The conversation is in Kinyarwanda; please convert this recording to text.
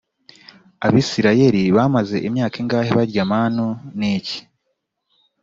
abisirayeli bamaze imyaka ingahe barya manu niki